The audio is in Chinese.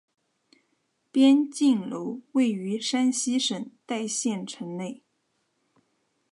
边靖楼位于山西省代县城内。